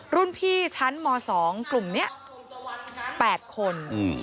รุ่นพี่ชั้นม๒กลุ่มนี้๘คน